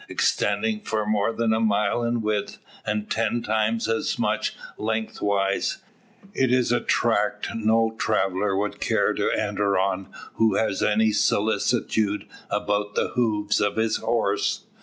Extending for more than a mile in width, and ten times as much lengthways, it is a tract no traveller would care to enter on who has any solicitude about the hooves of his horse.